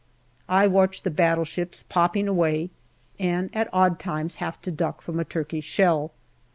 I watch the battleships pooping away, and at odd times have to duck from a Turkish shell.